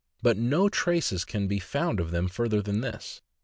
but no traces can be found of them further than this.